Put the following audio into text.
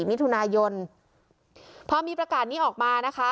มิถุนายนพอมีประกาศนี้ออกมานะคะ